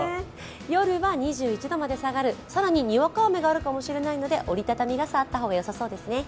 夜は２１度まで下がる、更ににわか雨があるかもしれないので、折り畳み傘があった方がよさそうですね。